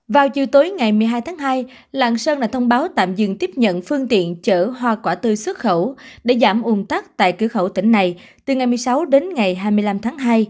vào chiều tối ngày một mươi hai tháng hai lạng sơn đã thông báo tạm dừng tiếp nhận phương tiện chở hoa quả tươi xuất khẩu để giảm ủng tắc tại cửa khẩu tỉnh này từ ngày một mươi sáu đến ngày hai mươi năm tháng hai